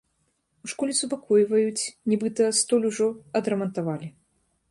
У школе супакойваюць, нібыта, столь ужо адрамантавалі.